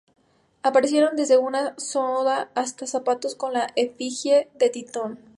Aparecieron desde una soda hasta zapatos con la efigie de Tintín.